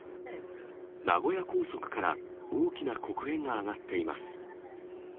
名古屋高速から大きな黒煙が上がっています。